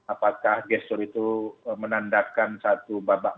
apakah gesture itu menandatkan satu babak babak